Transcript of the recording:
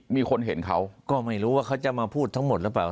มีคนเห็นเขาก็ไม่รู้ว่าเขาจะมาพูดทั้งหมดหรือเปล่า